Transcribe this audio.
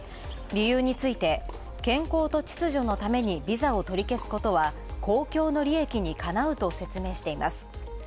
理由について、健康と秩序のためにビザを取り消すことは公共の利益にかなうと説明しています。